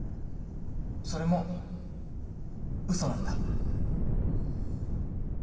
それも嘘なんだ。